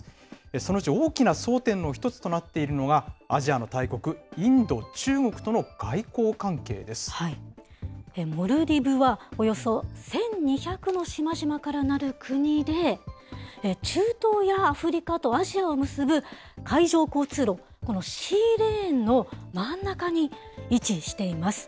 そのうち大きな争点の一つとなっているのが、アジアの大国、インモルディブは、およそ１２００の島々からなる国で、中東やアフリカとアジアを結ぶ海上交通路、このシーレーンの真ん中に位置しています。